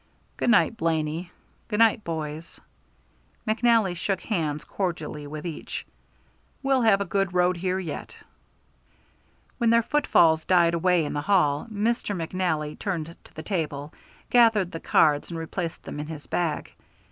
"Good night, Blaney; good night, boys." McNally shook hands cordially with each. "We'll have a good road here yet." When their footfalls died away in the hall, Mr. McNally turned to the table, gathered the cards, and replaced them in his bag.